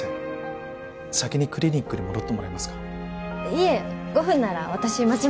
いえ５分なら私待ちます！